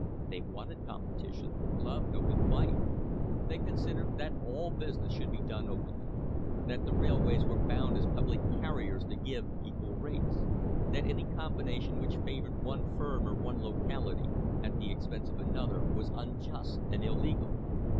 They wanted competition, loved open fight. They considered that all business should be done openly; that the railways were bound as public carriers to give equal rates; that any combination which favoured one firm or one locality at the expense of another was unjust and illegal.